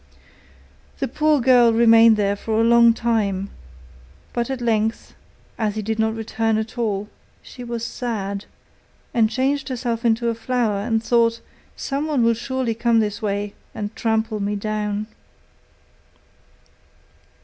The poor girl remained there a long time, but at length, as he did not return at all, she was sad, and changed herself into a flower, and thought: 'Someone will surely come this way, and trample me down.